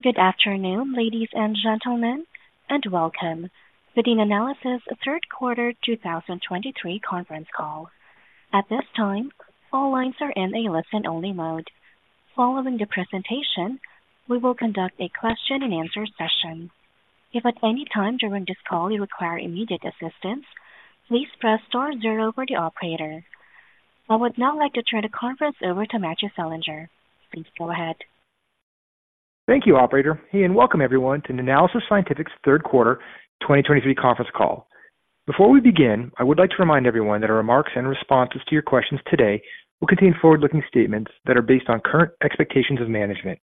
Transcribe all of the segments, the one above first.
Good afternoon, ladies and gentlemen, and welcome to Nanalysis's third quarter 2023 conference call. At this time, all lines are in a listen-only mode. Following the presentation, we will conduct a question and answer session. If at any time during this call you require immediate assistance, please press star zero for the operator. I would now like to turn the conference over to Matthew Selinger. Please go ahead. Thank you, operator. Hey, and welcome everyone to Nanalysis Scientific's third quarter 2023 conference call. Before we begin, I would like to remind everyone that our remarks and responses to your questions today will contain forward-looking statements that are based on current expectations of management.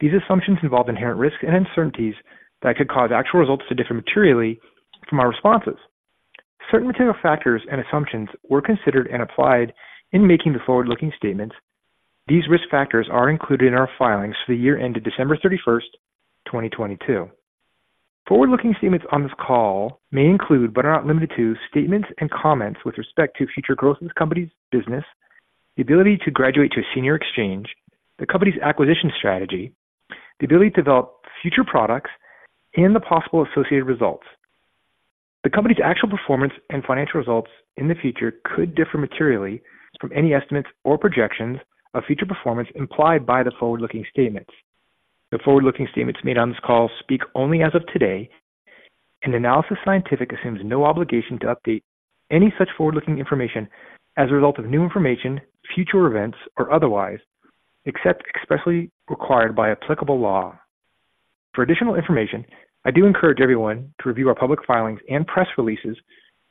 These assumptions involve inherent risks and uncertainties that could cause actual results to differ materially from our responses. Certain material factors and assumptions were considered and applied in making the forward-looking statements. These risk factors are included in our filings for the year ended December 31st, 2022. Forward-looking statements on this call may include, but are not limited to, statements and comments with respect to future growth in the company's business, the ability to graduate to a senior exchange, the company's acquisition strategy, the ability to develop future products and the possible associated results. The company's actual performance and financial results in the future could differ materially from any estimates or projections of future performance implied by the forward-looking statements. The forward-looking statements made on this call speak only as of today, and Nanalysis Scientific assumes no obligation to update any such forward-looking information as a result of new information, future events, or otherwise, except expressly required by applicable law. For additional information, I do encourage everyone to review our public filings and press releases,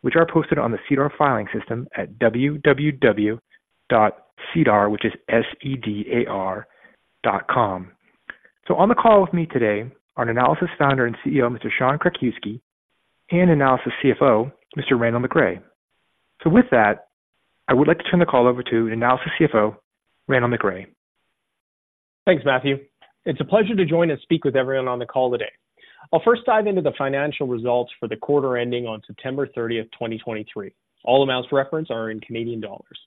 which are posted on the SEDAR filing system at www.sedar.com. On the call with me today are Nanalysis Founder and CEO, Mr. Sean Krakiwsky, and Nanalysis CFO, Mr. Randall McRae. With that, I would like to turn the call over to Nanalysis CFO, Randall McRae. Thanks, Matthew. It's a pleasure to join and speak with everyone on the call today. I'll first dive into the financial results for the quarter ending on September 30, 2023. All amounts referenced are in Canadian dollars.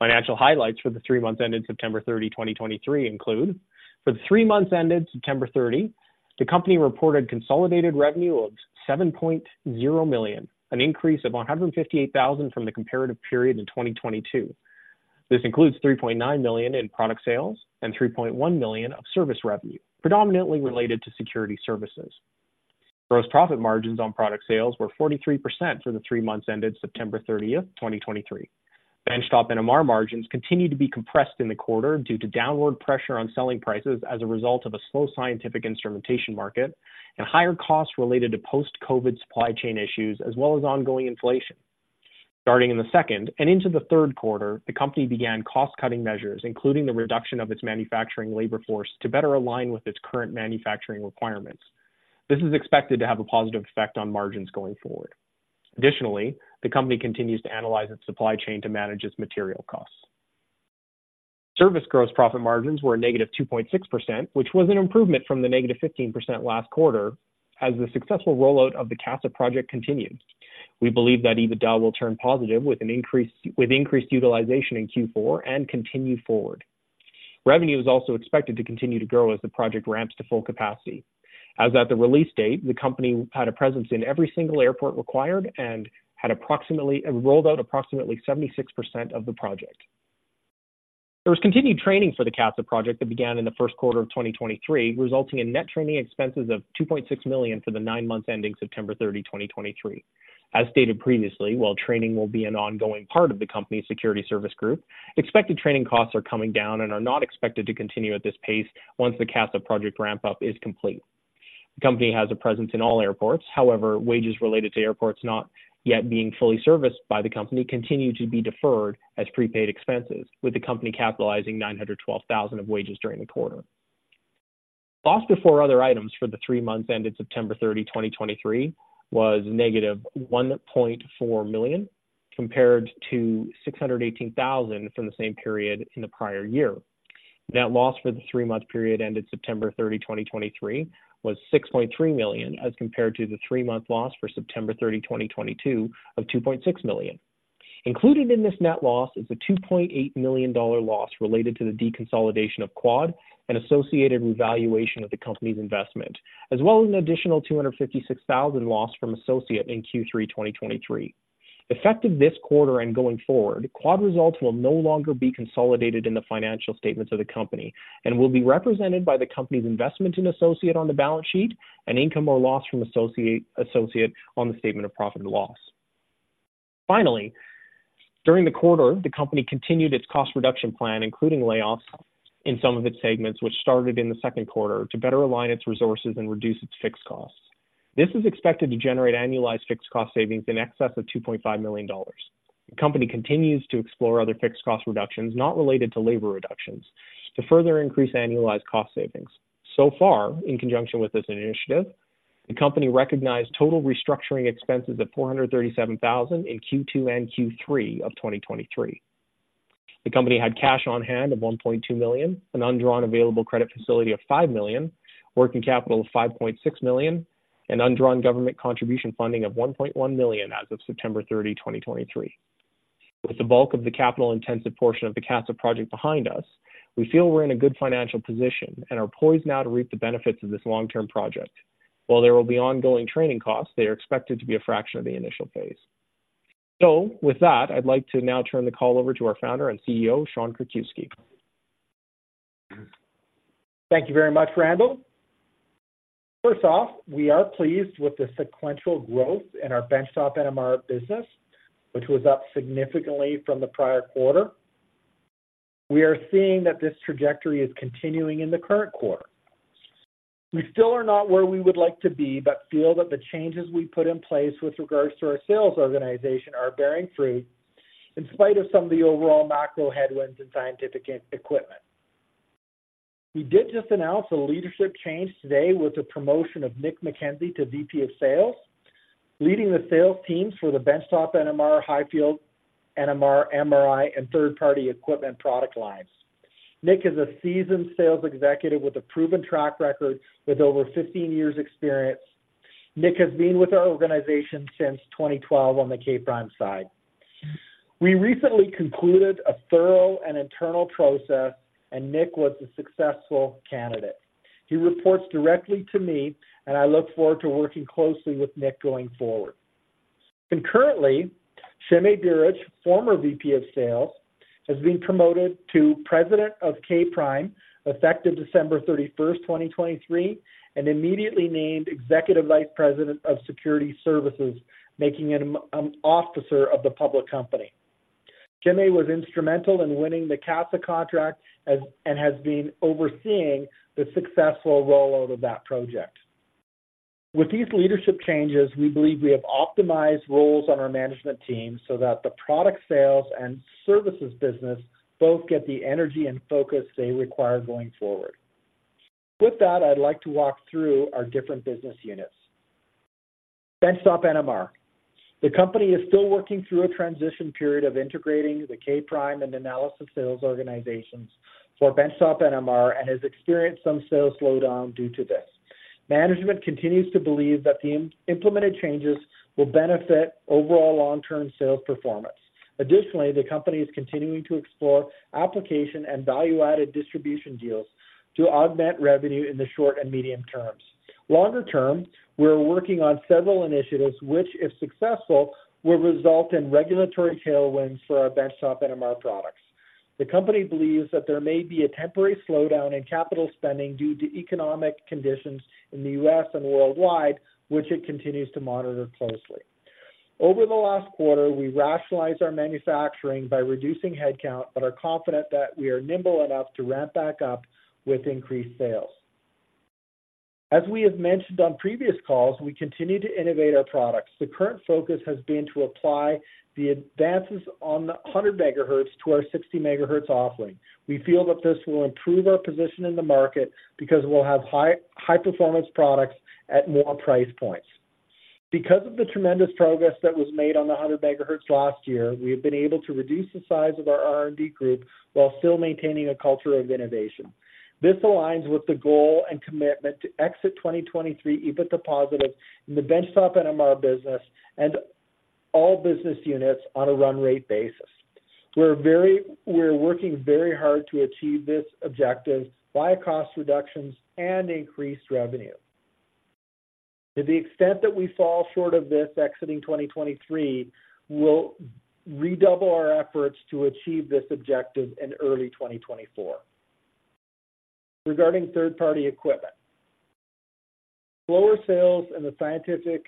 Financial highlights for the three months ended September 30, 2023 include: for the three months ended September 30, the company reported consolidated revenue of 7.0 million, an increase of 158,000 from the comparative period in 2022. This includes 3.9 million in product sales and 3.1 million of service revenue, predominantly related to security services. Gross profit margins on product sales were 43% for the three months ended September 30, 2023. Benchtop NMR margins continued to be compressed in the quarter due to downward pressure on selling prices as a result of a slow scientific instrumentation market and higher costs related to post-COVID supply chain issues, as well as ongoing inflation. Starting in the second and into the third quarter, the company began cost-cutting measures, including the reduction of its manufacturing labor force, to better align with its current manufacturing requirements. This is expected to have a positive effect on margins going forward. Additionally, the company continues to analyze its supply chain to manage its material costs. Service gross profit marginsre -2.6%, which was an improvement from the -15% last quarter, as the successful rollout of the CATSA project continued. We believe that EBITDA will turn positive with increased utilization in Q4 and continue forward. Revenue is also expected to continue to grow as the project ramps to full capacity. As at the release date, the company had a presence in every single airport required and had approximately rolled out approximately 76% of the project. There was continued training for the CATSA project that began in the first quarter of 2023, resulting in net training expenses of 2.6 million for the nine months ending September 30, 2023. As stated previously, while training will be an ongoing part of the company's security service group, expected training costs are coming down and are not expected to continue at this pace once the CATSA project ramp-up is complete. The company has a presence in all airports. However, wages related to airports not yet being fully serviced by the company continue to be deferred as prepaid expenses, with the company capitalizing 912,000 of wages during the quarter. Loss before other items for the three months ended September 30, 2023, was -1.4 million, compared to 618,000 from the same period in the prior year. Net loss for the three-month period ended September 30, 2023, was 6.3 million, as compared to the three-month loss for September 30, 2022, of 2.6 million. Included in this net loss is a 2.8 million dollar loss related to the deconsolidation of Quad and associated revaluation of the company's investment, as well as an additional 256,000 loss from associate in Q3 2023. Effective this quarter and going forward, Quad results will no longer be consolidated in the financial statements of the company and will be represented by the company's investment in Associate on the balance sheet and income or loss from Associate, Associate on the statement of profit and loss. Finally, during the quarter, the company continued its cost reduction plan, including layoffs in some of its segments, which started in the second quarter, to better align its resources and reduce its fixed costs. This is expected to generate annualized fixed cost savings in excess of 2.5 million dollars. The company continues to explore other fixed cost reductions not related to labor reductions, to further increase annualized cost savings. So far, in conjunction with this initiative, the company recognized total restructuring expenses of 437,000 in Q2 and Q3 of 2023. The company had cash on hand of 1.2 million, an undrawn available credit facility of 5 million, working capital of 5.6 million, and undrawn government contribution funding of 1.1 million as of September 30, 2023.... With the bulk of the capital-intensive portion of the CATSA project behind us, we feel we're in a good financial position and are poised now to reap the benefits of this long-term project. While there will be ongoing training costs, they are expected to be a fraction of the initial phase. So with that, I'd like to now turn the call over to our founder and CEO, Sean Krakiwsky. Thank you very much, Randall. First off, we are pleased with the sequential growth in our Benchtop NMR business, which was up significantly from the prior quarter. We are seeing that this trajectory is continuing in the current quarter. We still are not where we would like to be, but feel that the changes we put in place with regards to our sales organization are bearing fruit, in spite of some of the overall macro headwinds in scientific equipment. We did just announce a leadership change today with the promotion of Nick McKenzie to VP of Sales, leading the sales teams for the Benchtop NMR, High Field NMR, MRI, and third-party equipment product lines. Nick is a seasoned sales executive with a proven track record with over 15 years' experience. Nick has been with our organization since 2012 on the K'(Prime) side. We recently concluded a thorough and internal process, and Nick was the successful candidate. He reports directly to me, and I look forward to working closely with Nick going forward. Concurrently, Sime Buric, former VP of Sales, has been promoted to President of K'(Prime), effective December 31, 2023, and immediately named Executive Vice President of Security Services, making him an officer of the public company. Sime was instrumental in winning the CATSA contract and has been overseeing the successful rollout of that project. With these leadership changes, we believe we have optimized roles on our management team so that the product sales and services business both get the energy and focus they require going forward. With that, I'd like to walk through our different business units. Benchtop NMR. The company is still working through a transition period of integrating the K'(Prime) and Nanalysis sales organizations for Benchtop NMR and has experienced some sales slowdown due to this. Management continues to believe that the implemented changes will benefit overall long-term sales performance. Additionally, the company is continuing to explore application and value-added distribution deals to augment revenue in the short and medium terms. Longer term, we're working on several initiatives which, if successful, will result in regulatory tailwinds for our Benchtop NMR products. The company believes that there may be a temporary slowdown in capital spending due to economic conditions in the U.S. and worldwide, which it continues to monitor closely. Over the last quarter, we rationalized our manufacturing by reducing headcount, but are confident that we are nimble enough to ramp back up with increased sales. As we have mentioned on previous calls, we continue to innovate our products. The current focus has been to apply the advances on the 100 MHz to our 60 MHz offering. We feel that this will improve our position in the market because we'll have high, high-performance products at more price points. Because of the tremendous progress that was made on the 100 MHz last year, we have been able to reduce the size of our R&D group while still maintaining a culture of innovation. This aligns with the goal and commitment to exit 2023 EBITDA positive in the benchtop NMR business and all business units on a run rate basis. We're working very hard to achieve this objective via cost reductions and increased revenue. To the extent that we fall short of this exiting 2023, we'll redouble our efforts to achieve this objective in early 2024. Regarding third-party equipment. Slower sales in the scientific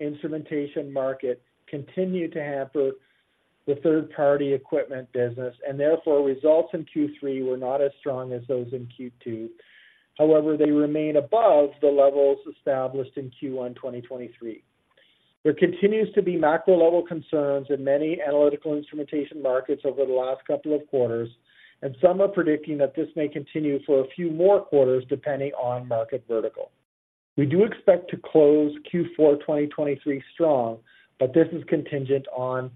instrumentation market continue to hamper the third-party equipment business, and therefore, results in Q3 were not as strong as those in Q2. However, they remain above the levels established in Q1 2023. There continues to be macro-level concerns in many analytical instrumentation markets over the last couple of quarters, and some are predicting that this may continue for a few more quarters, depending on market vertical. We do expect to close Q4 2023 strong, but this is contingent on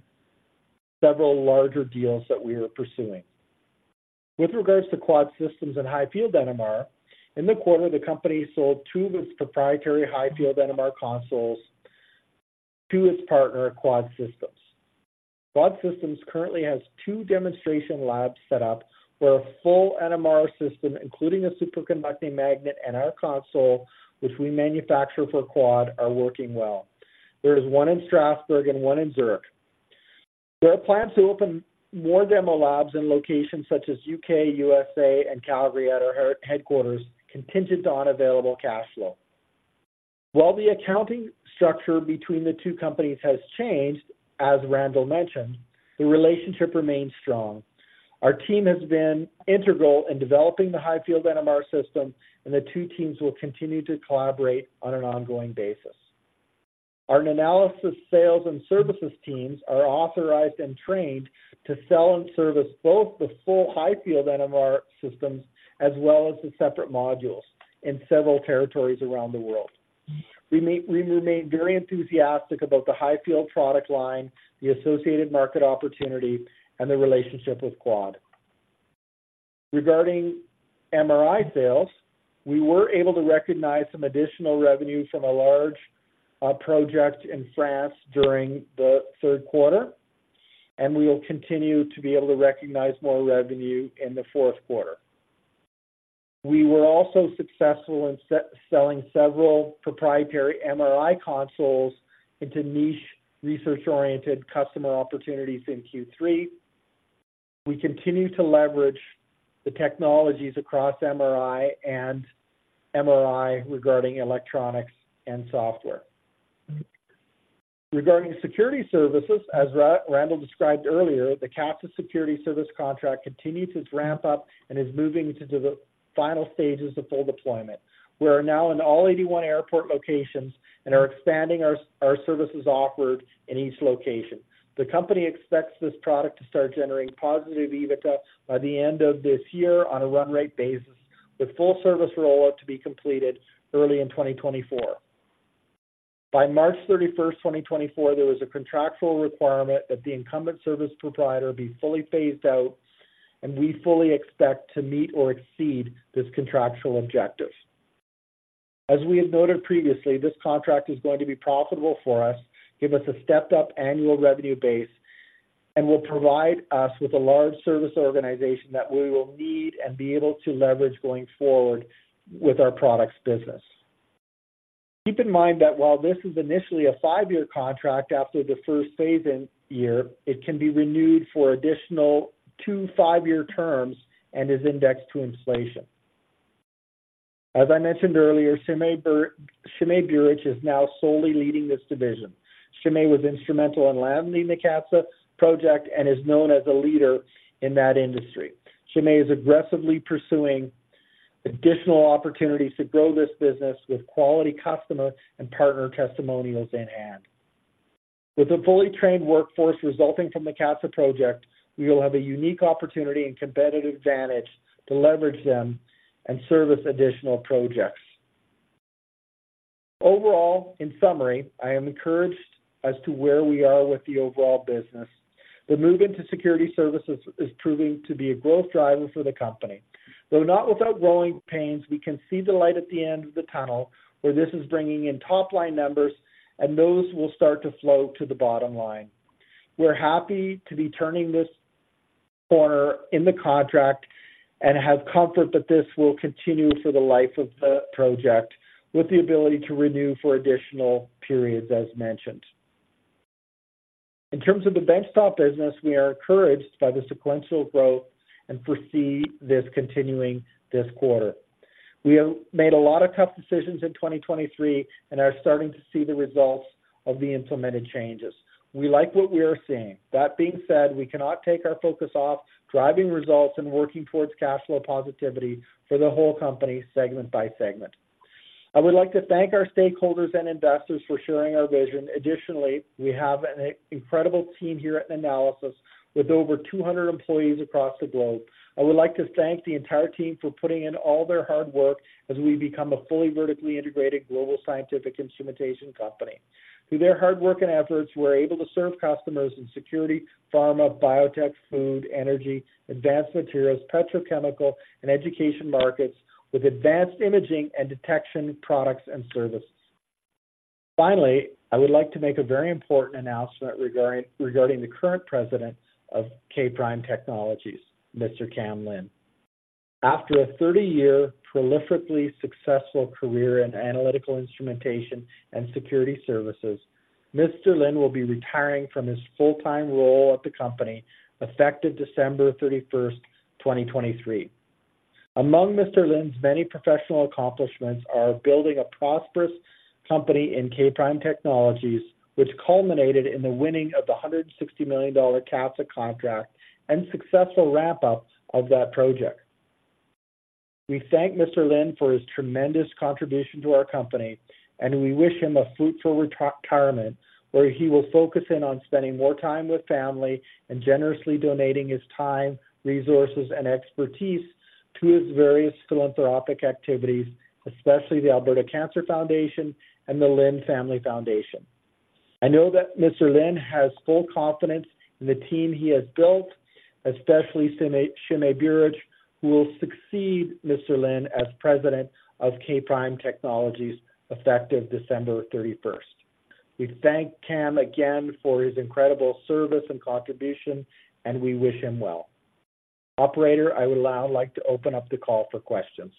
several larger deals that we are pursuing. With regards to Quad Systems and high field NMR, in the quarter, the company sold two of its proprietary high field NMR consoles to its partner, Quad Systems. Quad Systems currently has two demonstration labs set up where a full NMR system, including a superconducting magnet and our console, which we manufacture for Quad, are working well. There is one in Strasbourg and one in Zurich. There are plans to open more demo labs in locations such as U.K., USA, and Calgary at our headquarters, contingent on available cash flow. While the accounting structure between the two companies has changed, as Randall mentioned, the relationship remains strong. Our team has been integral in developing the high-field NMR system, and the two teams will continue to collaborate on an ongoing basis. Our Nanalysis, sales, and services teams are authorized and trained to sell and service both the full high-field NMR systems as well as the separate modules in several territories around the world. We remain very enthusiastic about the high field product line, the associated market opportunity, and the relationship with Quad. Regarding MRI sales, we were able to recognize some additional revenue from a large project in France during the third quarter, and we will continue to be able to recognize more revenue in the fourth quarter. We were also successful in selling several proprietary MRI consoles into niche research-oriented customer opportunities in Q3. We continue to leverage the technologies across MRI and MRI regarding electronics and software. Regarding security services, as Randall described earlier, the CATSA Security service contract continues its ramp up and is moving into the final stages of full deployment. We are now in all 81 airport locations and are expanding our services offered in each location. The company expects this product to start generating positive EBITDA by the end of this year on a run rate basis, with full service rollout to be completed early in 2024. By March 31, 2024, there was a contractual requirement that the incumbent service provider be fully phased out, and we fully expect to meet or exceed this contractual objective. As we had noted previously, this contract is going to be profitable for us, give us a stepped-up annual revenue base, and will provide us with a large service organization that we will need and be able to leverage going forward with our products business. Keep in mind that while this is initially a five-year contract, after the first phase-in year, it can be renewed for additional two, five-year terms and is indexed to inflation. As I mentioned earlier, Sime Buric is now solely leading this division. Sime was instrumental in landing the CATSA project and is known as a leader in that industry. Sime is aggressively pursuing additional opportunities to grow this business with quality customer and partner testimonials in hand. With a fully trained workforce resulting from the CATSA project, we will have a unique opportunity and competitive advantage to leverage them and service additional projects. Overall, in summary, I am encouraged as to where we are with the overall business. The move into security services is proving to be a growth driver for the company. Though not without growing pains, we can see the light at the end of the tunnel, where this is bringing in top-line numbers, and those will start to flow to the bottom line. We're happy to be turning this corner in the contract and have comfort that this will continue for the life of the project, with the ability to renew for additional periods, as mentioned. In terms of the benchtop business, we are encouraged by the sequential growth and foresee this continuing this quarter. We have made a lot of tough decisions in 2023 and are starting to see the results of the implemented changes. We like what we are seeing. That being said, we cannot take our focus off driving results and working towards cash flow positivity for the whole company, segment by segment. I would like to thank our stakeholders and investors for sharing our vision. Additionally, we have an incredible team here at Nanalysis with over 200 employees across the globe. I would like to thank the entire team for putting in all their hard work as we become a fully vertically integrated global scientific instrumentation company. Through their hard work and efforts, we're able to serve customers in security, pharma, biotech, food, energy, advanced materials, petrochemical, and education markets with advanced imaging and detection products and services. Finally, I would like to make a very important announcement regarding the current president of K'(Prime)Technologies, Mr. Kam Lin. After a 30-year prolifically successful career in analytical instrumentation and security services, Mr. Lin will be retiring from his full-time role at the company effective December 31, 2023. Among Mr. Lin's many professional accomplishments are building a prosperous company in K'(Prime)Technologies, which culminated in the winning of the 160 million dollar CATSA contract and successful wrap-up of that project. We thank Mr. Lin for his tremendous contribution to our company, and we wish him a fruitful retirement, where he will focus in on spending more time with family and generously donating his time, resources, and expertise to his various philanthropic activities, especially the Alberta Cancer Foundation and the Lin Family Foundation. I know that Mr. Lin has full confidence in the team he has built, especially Sime Buric, who will succeed Mr. Lin as president of K'(Prime) Technologies, effective December 31st. We thank Kam again for his incredible service and contribution, and we wish him well. Operator, I would now like to open up the call for questions.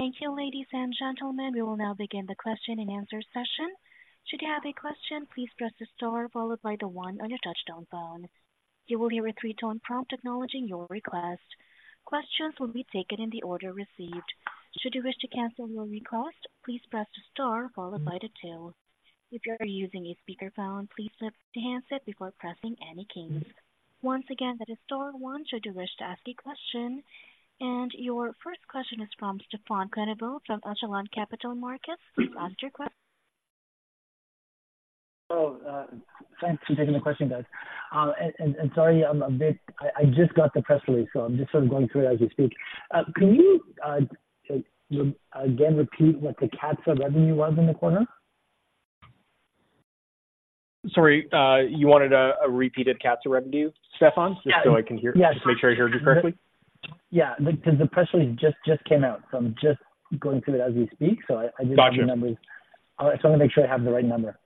Thank you, ladies and gentlemen. We will now begin the question and answer session. Should you have a question, please press the star followed by the one on your touchtone phone. You will hear a three-tone prompt acknowledging your request. Questions will be taken in the order received. Should you wish to cancel your request, please press star followed by the two. If you are using a speakerphone, please lift the handset before pressing any keys. Once again, that is star one should you wish to ask a question. Your first question is from Stefan Quenneville from Echelon Capital Markets. Please ask your question.... Oh, thanks for taking the question, guys. And sorry, I'm a bit... I just got the press release, so I'm just sort of going through it as we speak. Can you again repeat what the CATSA revenue was in the quarter? Sorry, you wanted a repeated CATSA revenue, Stefan? Yeah. Just so I can hear. Yes. Just make sure I heard you correctly. Yeah, like, because the press release just came out, so I'm just going through it as we speak, so I just- Got you. I just wanna make sure I have the right number.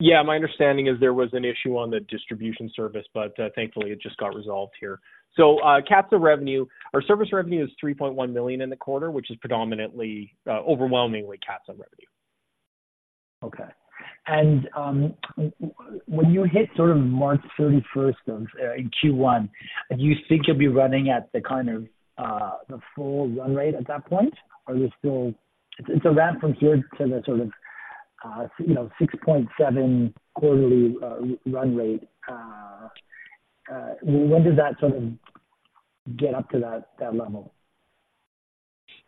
Yeah. My understanding is there was an issue on the distribution service, but, thankfully, it just got resolved here. So, CATSA revenue, our service revenue is 3.1 million in the quarter, which is predominantly, overwhelmingly CATSA revenue. Okay. And, when you hit sort of March 31st of in Q1, do you think you'll be running at the kind of, the full run rate at that point? Or are you still... It's, it's a ramp from here to the sort of, you know, 6.7 quarterly run rate. When does that sort of get up to that, that level?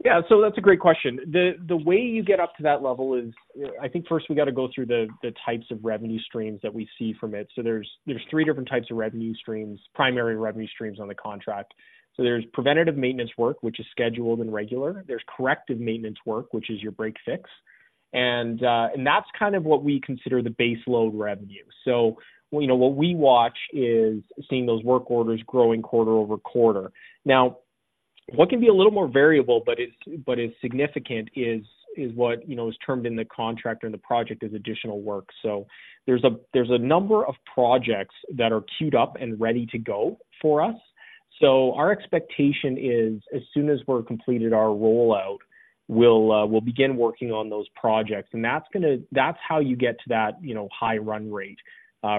Yeah. So that's a great question. The way you get up to that level is, you know, I think first we got to go through the types of revenue streams that we see from it. So there's three different types of revenue streams, primary revenue streams on the contract. So there's preventative maintenance work, which is scheduled and regular. There's corrective maintenance work, which is your break-fix. And that's kind of what we consider the base load revenue. So, you know, what we watch is seeing those work orders growing quarter-over-quarter. Now, what can be a little more variable but is significant, is what, you know, is termed in the contract or in the project as additional work. So there's a number of projects that are queued up and ready to go for us. So our expectation is, as soon as we've completed our rollout, we'll, we'll begin working on those projects, and that's gonna, that's how you get to that, you know, high run rate,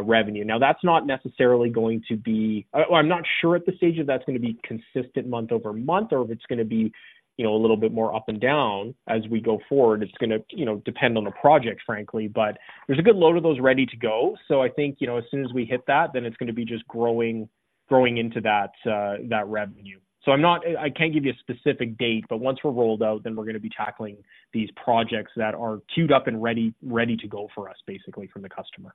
revenue. Now, that's not necessarily going to be... I'm not sure at this stage if that's gonna be consistent month over month or if it's gonna be, you know, a little bit more up and down as we go forward. It's gonna, you know, depend on the project, frankly, but there's a good load of those ready to go. So I think, you know, as soon as we hit that, then it's gonna be just growing, growing into that, that revenue. So I can't give you a specific date, but once we're rolled out, then we're gonna be tackling these projects that are queued up and ready, ready to go for us, basically, from the customer.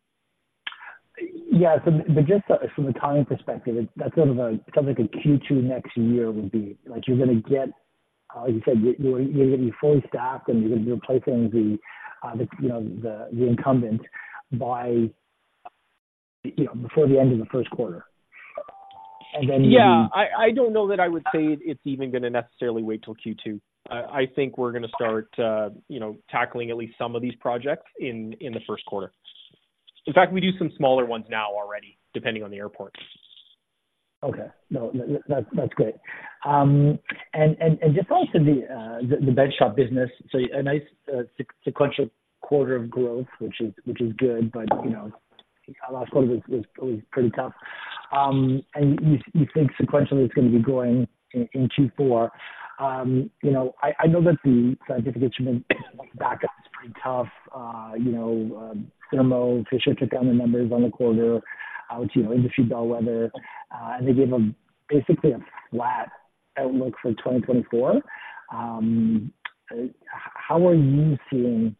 Yeah. So but just from a timing perspective, that's sort of a, sounds like a Q2 next year would be. Like, you're gonna get, like you said, you, you're gonna be fully staffed and you're replacing the, the, you know, the, the incumbent by, you know, before the end of the first quarter. And then- Yeah, I don't know that I would say it's even gonna necessarily wait till Q2. I think we're gonna start, you know, tackling at least some of these projects in the first quarter. In fact, we do some smaller ones now already, depending on the airport. Okay. No, that's great. And just also the benchtop business, so a nice sequential quarter of growth, which is good, but you know, our last quarter was pretty tough. And you think sequentially it's gonna be growing in Q4. You know, I know that the scientific instrument market is pretty tough. You know, Thermo Fisher took down the numbers on the quarter, which you know, industry bellwether, and they gave basically a flat outlook for 2024. How are you seeing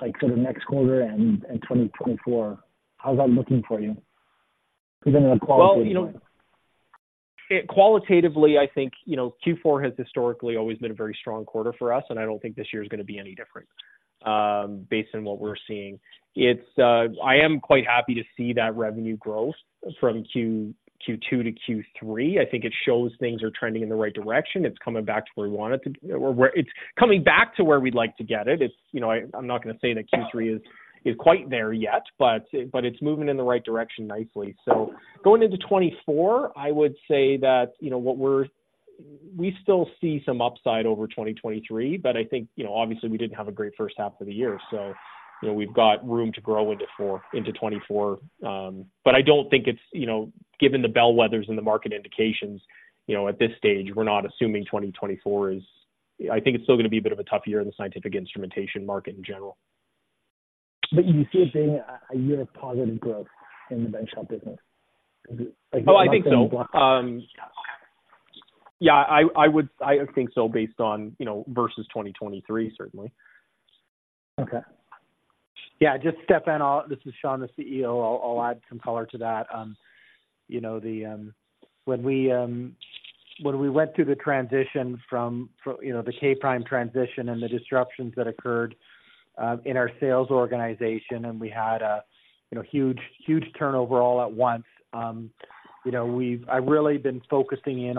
like sort of next quarter and 2024, how's that looking for you even in a qualitative way? Well, you know, qualitatively, I think, you know, Q4 has historically always been a very strong quarter for us, and I don't think this year is gonna be any different, based on what we're seeing. It's I am quite happy to see that revenue growth from Q2 to Q3. I think it shows things are trending in the right direction. It's coming back to where we want it to, or where-- It's coming back to where we'd like to get it. It's, you know, I, I'm not gonna say that Q3 is, is quite there yet, but, but it's moving in the right direction nicely. So going into 2024, I would say that, you know, we still see some upside over 2023, but I think, you know, obviously we didn't have a great first half of the year, so, you know, we've got room to grow into 2024. But I don't think it's, you know, given the bellwethers and the market indications, you know, at this stage, we're not assuming 2024 is... I think it's still gonna be a bit of a tough year in the scientific instrumentation market in general. You see it being a year of positive growth in the benchtop business? Oh, I think so. Yeah, I would, I think so, based on, you know, versus 2023, certainly. Okay. Yeah, just to step in, this is Sean, the CEO. I'll add some color to that. You know, when we went through the transition from, you know, the K'(Prime) transition and the disruptions that occurred in our sales organization, and we had a, you know, huge, huge turnover all at once, you know, I've really been focusing in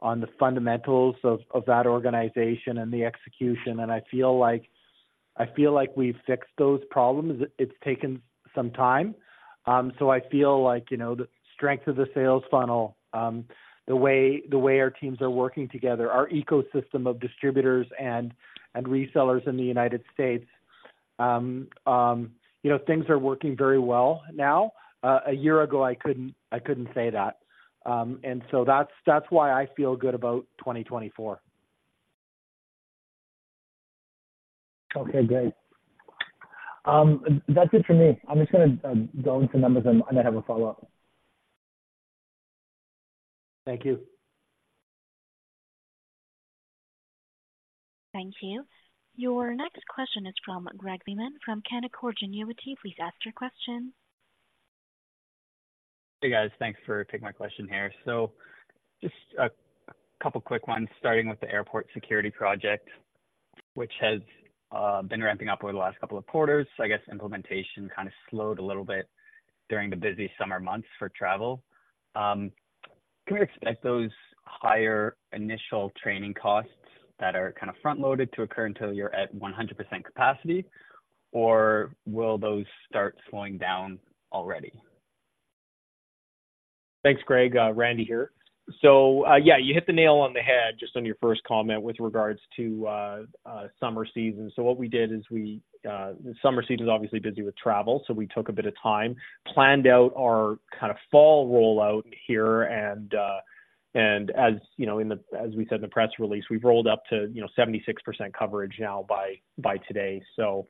on the fundamentals of that organization and the execution, and I feel like we've fixed those problems. It's taken some time. So I feel like, you know, the strength of the sales funnel, the way our teams are working together, our ecosystem of distributors and resellers in the United States, you know, things are working very well now. A year ago, I couldn't say that. And so that's, that's why I feel good about 2024. Okay, great. That's it for me. I'm just gonna go into numbers, and I have a follow-up. Thank you. Thank you. Your next question is from Greg Lehman from Canaccord Genuity. Please ask your question. Hey, guys. Thanks for taking my question here. So just a couple quick ones, starting with the airport security project, which has been ramping up over the last couple of quarters. So I guess implementation kind of slowed a little bit during the busy summer months for travel. Can we expect those higher initial training costs that are kind of front-loaded to occur until you're at 100% capacity, or will those start slowing down already? Thanks, Greg. Randy here. So, yeah, you hit the nail on the head just on your first comment with regards to summer season. So what we did is we... The summer season is obviously busy with travel, so we took a bit of time, planned out our kind of fall rollout here, and as you know, as we said in the press release, we've rolled up to, you know, 76% coverage now by today. So,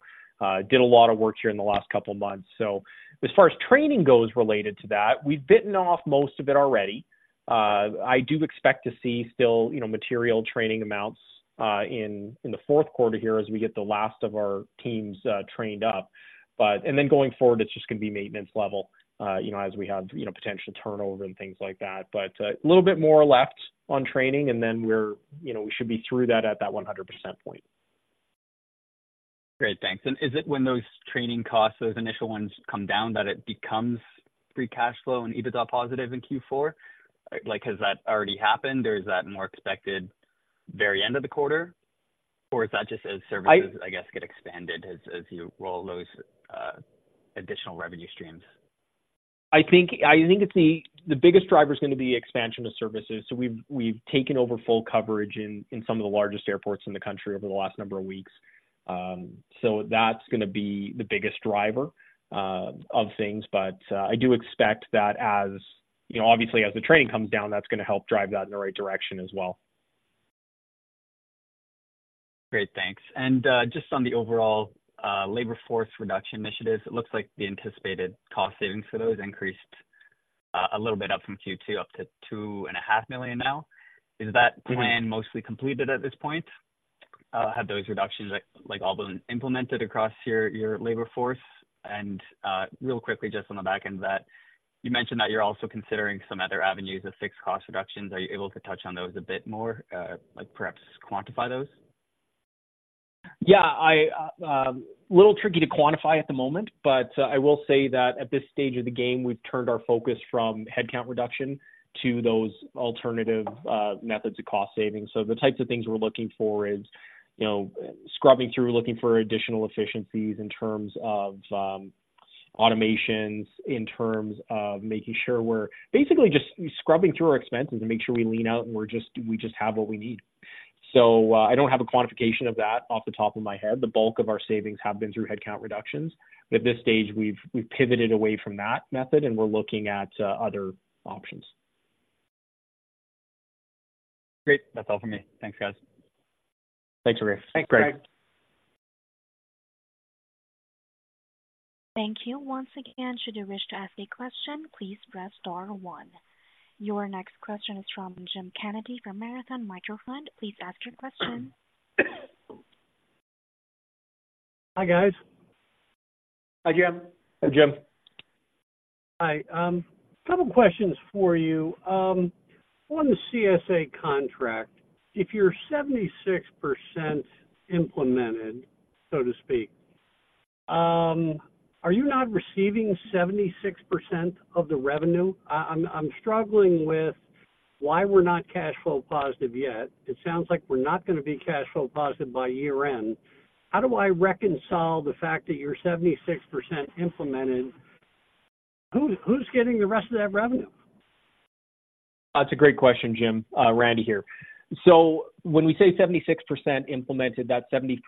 did a lot of work here in the last couple of months. So as far as training goes related to that, we've bitten off most of it already. I do expect to see still, you know, material training amounts in the fourth quarter here as we get the last of our teams trained up. But... And then going forward, it's just gonna be maintenance level, you know, as we have, you know, potential turnover and things like that. But a little bit more left on training, and then we're, you know, we should be through that at that 100% point. Great, thanks. Is it when those training costs, those initial ones come down, that it becomes free cash flow and EBITDA positive in Q4? Like, has that already happened, or is that more expected very end of the quarter? Or is that just as services- I- I guess get expanded as you roll those additional revenue streams? I think it's the... The biggest driver is gonna be expansion of services. So we've taken over full coverage in some of the largest airports in the country over the last number of weeks. So that's gonna be the biggest driver of things. But I do expect that as, you know, obviously, as the training comes down, that's gonna help drive that in the right direction as well. Great, thanks. And, just on the overall, labor force reduction initiatives, it looks like the anticipated cost savings for those increased, a little bit up from Q2, up to 2.5 million now. Mm-hmm. Is that plan mostly completed at this point? Have those reductions, like, all been implemented across your labor force? Real quickly, just on the back end of that, you mentioned that you're also considering some other avenues of fixed cost reductions. Are you able to touch on those a bit more, like perhaps quantify those? Yeah, a little tricky to quantify at the moment, but I will say that at this stage of the game, we've turned our focus from headcount reduction to those alternative methods of cost savings. So the types of things we're looking for is, you know, scrubbing through, looking for additional efficiencies in terms of automations, in terms of making sure we're basically just scrubbing through our expenses to make sure we lean out and we're just we just have what we need. So, I don't have a quantification of that off the top of my head. The bulk of our savings have been through headcount reductions, but at this stage, we've pivoted away from that method, and we're looking at other options. Great. That's all for me. Thanks, guys. Thanks, Greg. Thanks, Greg. Thank you. Once again, should you wish to ask a question, please press star one. Your next question is from Jim Kennedy, from Marathon Microfund. Please ask your question. Hi, guys. Hi, Jim. Hi, Jim. Hi, couple questions for you. On the CASA contract, if you're 76% implemented, so to speak, are you not receiving 76% of the revenue? I'm struggling with why we're not cash flow positive yet. It sounds like we're not gonna be cash flow positive by year-end. How do I reconcile the fact that you're 76% implemented? Who, who's getting the rest of that revenue? That's a great question, Jim. Randy here. So when we say 76% implemented, that's 76%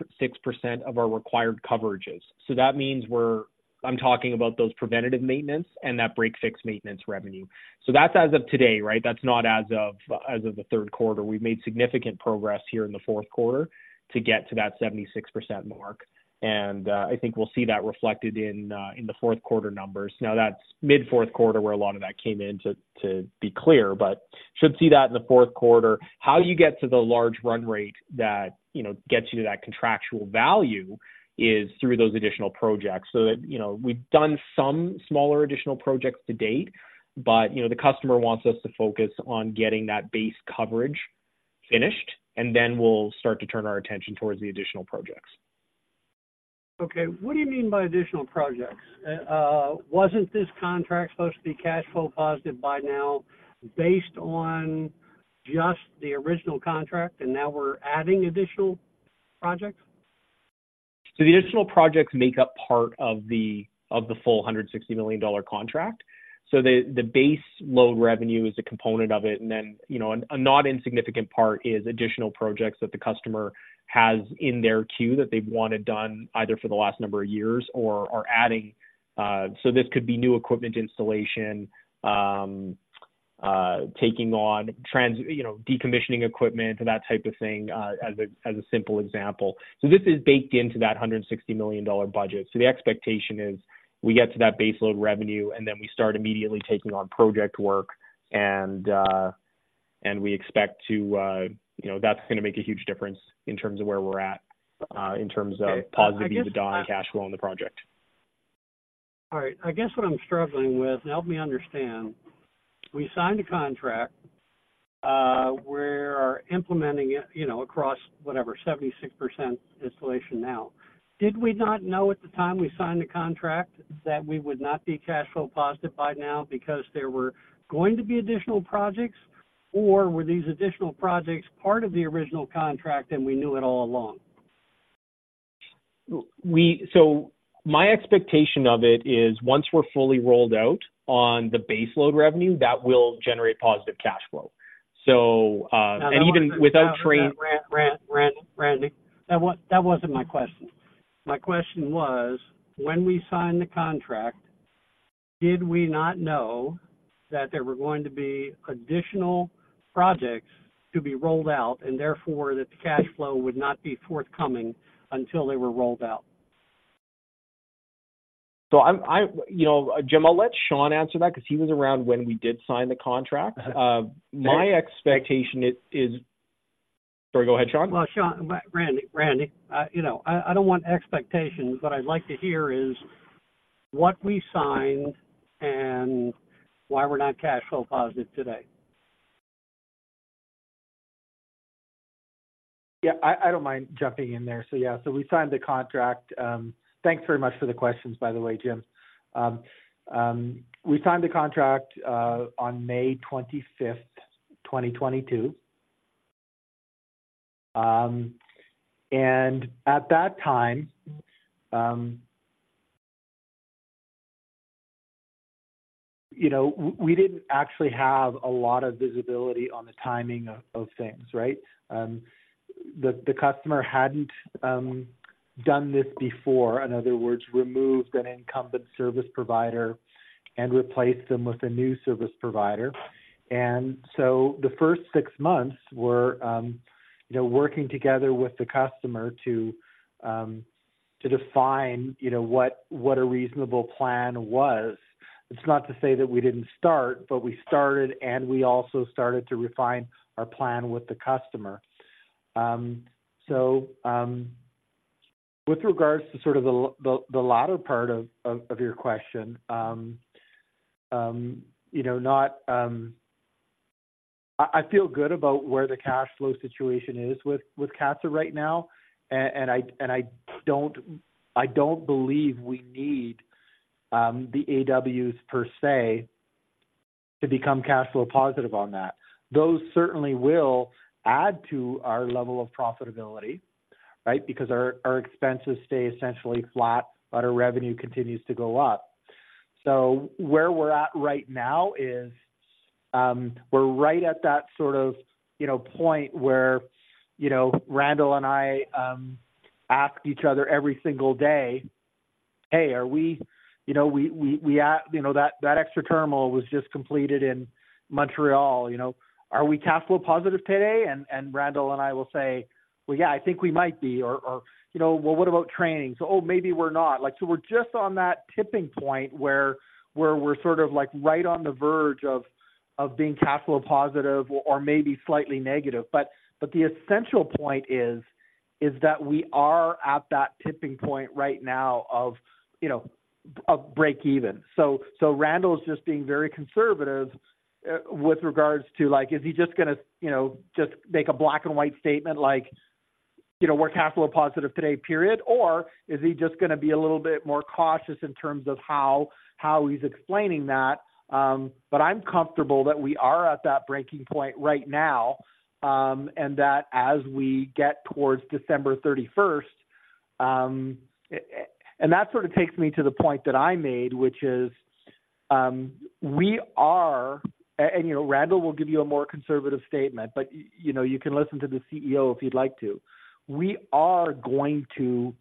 of our required coverages. So that means we're—I'm talking about those preventative maintenance and that break-fix maintenance revenue. So that's as of today, right? That's not as of, as of the third quarter. We've made significant progress here in the fourth quarter to get to that 76% mark, and, I think we'll see that reflected in, in the fourth quarter numbers. Now, that's mid fourth quarter, where a lot of that came in, to, to be clear, but should see that in the fourth quarter. How you get to the large run rate that, you know, gets you to that contractual value is through those additional projects. So that, you know, we've done some smaller additional projects to date, but, you know, the customer wants us to focus on getting that base coverage finished, and then we'll start to turn our attention towards the additional projects. ... Okay, what do you mean by additional projects? Wasn't this contract supposed to be cash flow positive by now based on just the original contract, and now we're adding additional projects? So the additional projects make up part of the full 160 million dollar contract. So the base load revenue is a component of it, and then, you know, a not insignificant part is additional projects that the customer has in their queue that they've wanted done either for the last number of years or are adding. So this could be new equipment installation, taking on, you know, decommissioning equipment, that type of thing, as a simple example. So this is baked into that 160 million dollar budget. So the expectation is we get to that base load revenue, and then we start immediately taking on project work, and we expect to... You know, that's gonna make a huge difference in terms of where we're at, in terms of positivity to dial cash flow on the project. All right. I guess what I'm struggling with, and help me understand, we signed a contract, we're implementing it, you know, across whatever, 76% installation now. Did we not know at the time we signed the contract that we would not be cash flow positive by now because there were going to be additional projects? Or were these additional projects part of the original contract, and we knew it all along? So my expectation of it is once we're fully rolled out on the base load revenue, that will generate positive cash flow. So, and even without train- Randall, that wasn't my question. My question was, when we signed the contract, did we not know that there were going to be additional projects to be rolled out, and therefore that the cash flow would not be forthcoming until they were rolled out? So, you know, Jim, I'll let Sean answer that because he was around when we did sign the contract. My expectation is... Sorry, go ahead, Sean. Well, Sean, Randy, Randy, you know, I don't want expectations. What I'd like to hear is what we signed and why we're not cash flow positive today. Yeah, I don't mind jumping in there. So yeah, so we signed the contract. Thanks very much for the questions, by the way, Jim. We signed the contract on May 25th, 2022. And at that time, you know, we didn't actually have a lot of visibility on the timing of things, right? The customer hadn't done this before. In other words, removed an incumbent service provider and replaced them with a new service provider. And so the first six months were, you know, working together with the customer to define, you know, what a reasonable plan was. It's not to say that we didn't start, but we started, and we also started to refine our plan with the customer. So, with regards to sort of the latter part of your question, you know, not... I feel good about where the cash flow situation is with CATSA right now, and I don't believe we need the AWs per se to become cash flow positive on that. Those certainly will add to our level of profitability, right? Because our expenses stay essentially flat, but our revenue continues to go up. So where we're at right now is, we're right at that sort of, you know, point where, you know, Randall and I ask each other every single day, "Hey, are we..." You know, we ask, "You know, that, that extra terminal was just completed in Montreal, you know, are we cash flow positive today?" And Randall and I will say, "Well, yeah, I think we might be." Or, "You know, well, what about training? So, oh, maybe we're not." Like, so we're just on that tipping point where we're sort of like right on the verge of being cash flow positive or maybe slightly negative. But the essential point is that we are at that tipping point right now of, you know, of break even. So Randall is just being very conservative with regards to, like, is he just gonna, you know, just make a black-and-white statement like, "You know, we're cash flow positive today, period." Or is he just gonna be a little bit more cautious in terms of how he's explaining that? But I'm comfortable that we are at that breaking point right now, and that as we get towards December 31st, and that sort of takes me to the point that I made, which is, we are, and, you know, Randall will give you a more conservative statement, but, you know, you can listen to the CEO if you'd like to. We are going to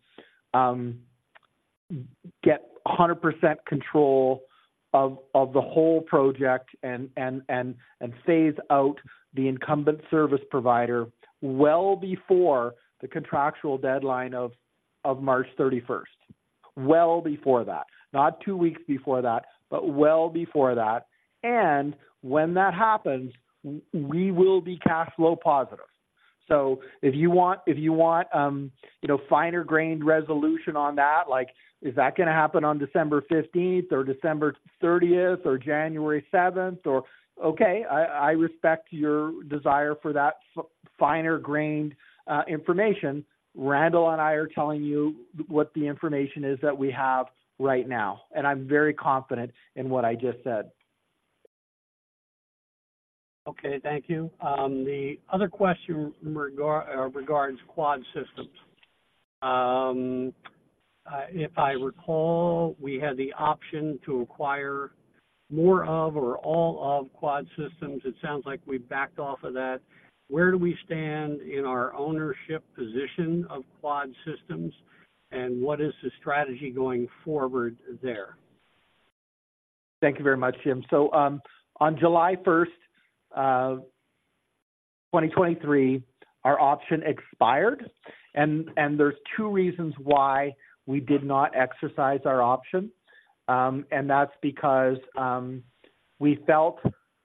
get 100% control of the whole project and phase out the incumbent service provider well before the contractual deadline of March 31st. Well before that. Not two weeks before that, but well before that. And when that happens, we will be cash flow positive. So if you want, if you want, you know, finer-grained resolution on that, like, is that gonna happen on December 15th or December 13th, or January 7th or... Okay, I respect your desire for that finer-grained information. Randall and I are telling you what the information is that we have right now, and I'm very confident in what I just said. ... Okay, thank you. The other question regards Quad Systems. If I recall, we had the option to acquire more of, or all of Quad Systems. It sounds like we backed off of that. Where do we stand in our ownership position of Quad Systems, and what is the strategy going forward there? Thank you very much, Jim. So, on July first, 2023, our option expired. And there's two reasons why we did not exercise our option. And that's because we felt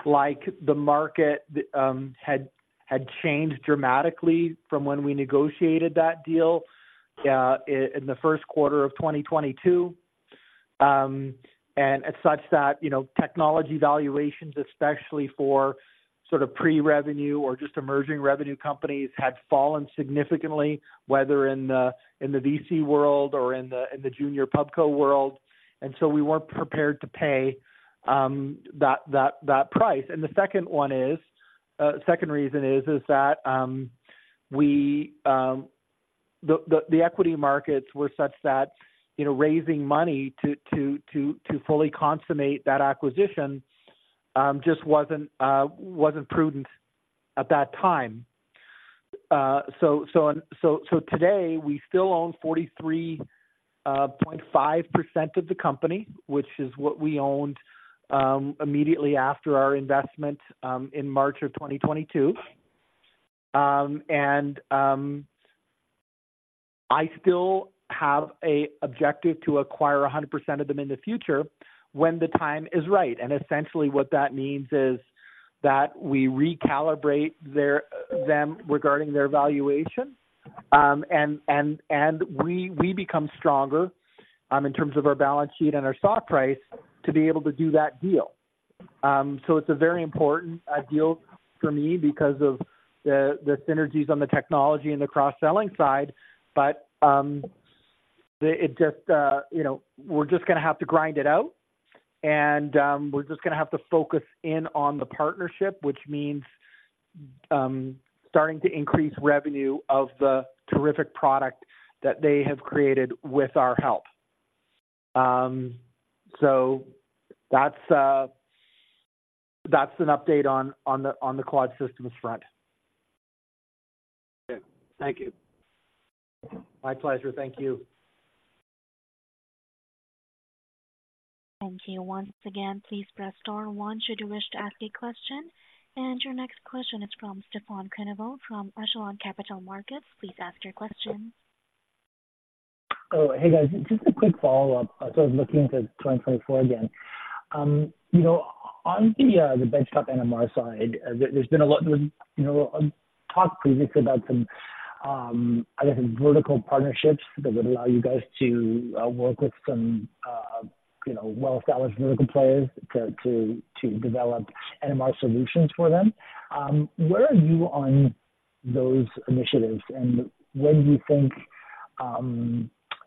like the market had changed dramatically from when we negotiated that deal in the first quarter of 2022. And as such that, you know, technology valuations, especially for sort of pre-revenue or just emerging revenue companies, had fallen significantly, whether in the VC world or in the junior pub co world. And so we weren't prepared to pay that price. And the second reason is that the equity markets were such that, you know, raising money to fully consummate that acquisition just wasn't prudent at that time. So today we still own 43.5% of the company, which is what we owned immediately after our investment in March of 2022. And I still have an objective to acquire 100% of them in the future when the time is right. And essentially what that means is that we recalibrate them regarding their valuation. And we become stronger in terms of our balance sheet and our stock price to be able to do that deal. So it's a very important deal for me because of the synergies on the technology and the cross-selling side. But it just, you know, we're just gonna have to grind it out, and we're just gonna have to focus in on the partnership, which means starting to increase revenue of the terrific product that they have created with our help. So that's an update on the Quad Systems front. Okay, thank you. My pleasure. Thank you. Thank you. Once again, please press star one should you wish to ask a question. Your next question is from Stefan Quenneville from Echelon Capital Markets. Please ask your question. Oh, hey, guys. Just a quick follow-up as I was looking into 2024 again. You know, on the Benchtop NMR side, there's been a lot, you know, talked previously about some, I guess, vertical partnerships that would allow you guys to work with some, you know, well-established vertical players to develop NMR solutions for them. Where are you on those initiatives, and when do you think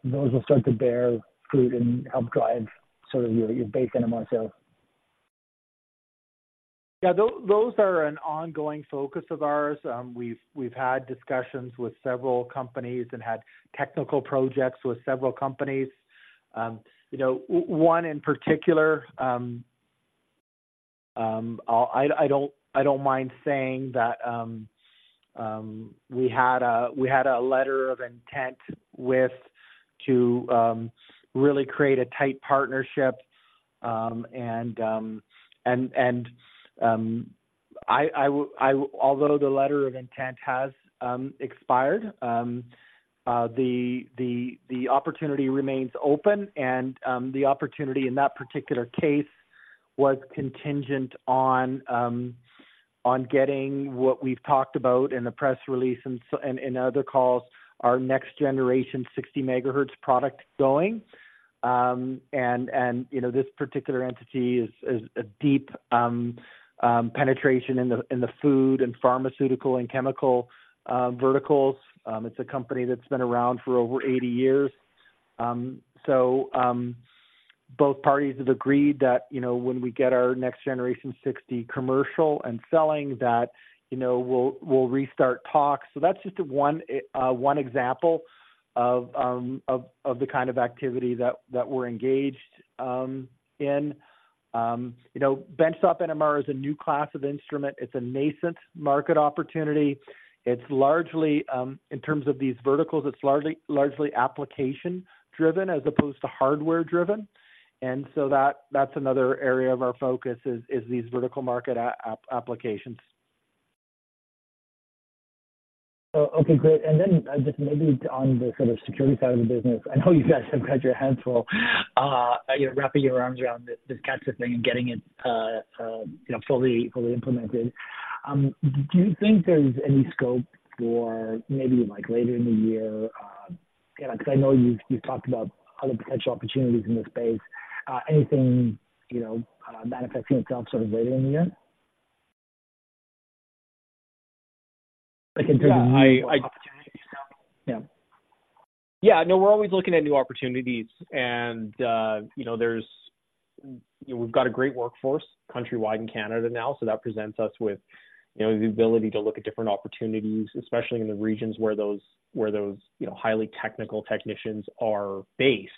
those will start to bear fruit and help drive sort of your base NMR sales? Yeah. Those are an ongoing focus of ours. We've had discussions with several companies and had technical projects with several companies. You know, one in particular, I don't mind saying that, we had a letter of intent with to really create a tight partnership. Although the letter of intent has expired, the opportunity remains open and the opportunity in that particular case was contingent on getting what we've talked about in the press release and so, and other calls, our next generation 60 MHz product going. And you know, this particular entity is a deep penetration in the food and pharmaceutical and chemical verticals. It's a company that's been around for over 80 years. So, both parties have agreed that, you know, when we get our next generation 60 commercial and selling, that, you know, we'll, we'll restart talks. So that's just one, one example of, of, of the kind of activity that, that we're engaged, in. You know, benchtop NMR is a new class of instrument. It's a nascent market opportunity. It's largely, in terms of these verticals, it's largely, largely application-driven as opposed to hardware-driven. And so that, that's another area of our focus is, is these vertical market a, a, applications. Oh, okay. Great. And then just maybe on the sort of security side of the business, I know you guys have got your hands full, wrapping your arms around this CATSA thing and getting it, you know, fully implemented. Do you think there's any scope for maybe, like, later in the year? Because I know you've talked about other potential opportunities in this space. Anything, you know, manifesting itself sort of later in the year?... Yeah, no, we're always looking at new opportunities, and, you know, there's, you know, we've got a great workforce countrywide in Canada now, so that presents us with, you know, the ability to look at different opportunities, especially in the regions where those, you know, highly technical technicians are based.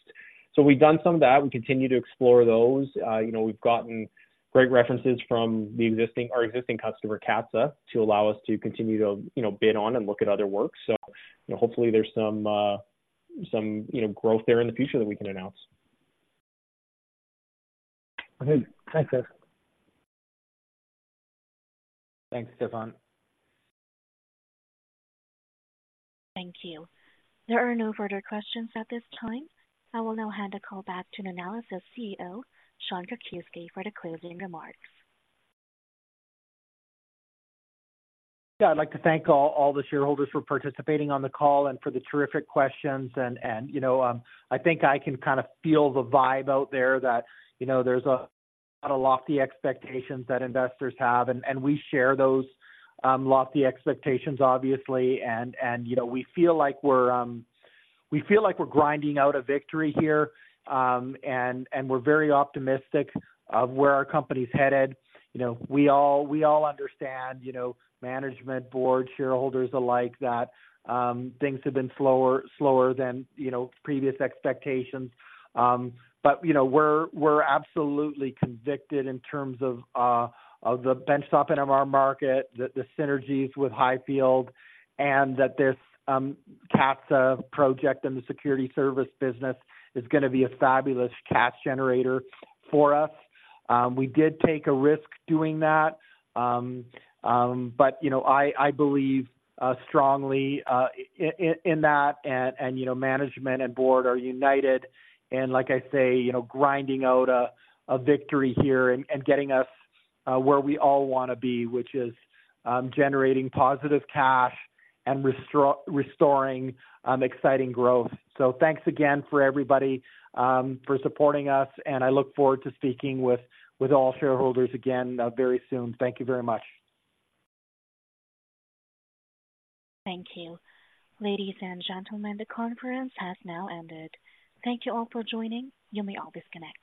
So we've done some of that. We continue to explore those. You know, we've gotten great references from our existing customer, CATSA, to allow us to continue to, you know, bid on and look at other works. So, you know, hopefully there's some, you know, growth there in the future that we can announce. Okay. Thanks, Sean. Thanks, Stefan. Thank you. There are no further questions at this time. I will now hand the call back to Nanalysis's CEO, Sean Krakiwsky, for the closing remarks. Yeah, I'd like to thank all the shareholders for participating on the call and for the terrific questions. And you know, I think I can kind of feel the vibe out there that, you know, there's a lot of lofty expectations that investors have, and we share those lofty expectations, obviously. And you know, we feel like we're grinding out a victory here, and we're very optimistic of where our company's headed. You know, we all understand, you know, management, board, shareholders alike, that things have been slower than previous expectations. But, you know, we're absolutely convicted in terms of of the Benchtop of our market, the synergies with high-field, and that this CATSA project and the security service business is gonna be a fabulous cash generator for us. We did take a risk doing that, but, you know, I believe strongly in that, and, you know, management and board are united. And like I say, you know, grinding out a victory here and getting us where we all wanna be, which is generating positive cash and restoring exciting growth. So thanks again for everybody for supporting us, and I look forward to speaking with all shareholders again very soon. Thank you very much. Thank you. Ladies and gentlemen, the conference has now ended. Thank you all for joining. You may all disconnect.